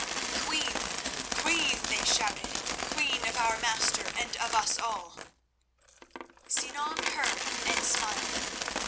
"Queen! Queen!" they shouted. "Queen of our Master and of us all!" Sinan heard and smiled.